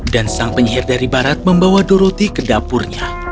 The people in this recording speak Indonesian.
dan sang penyihir dari barat membawa dorothy ke dapurnya